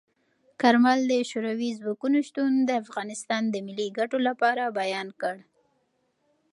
کارمل د شوروي ځواکونو شتون د افغانستان د ملي ګټو لپاره بیان کړ.